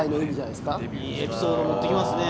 いいエピソードもってきますね。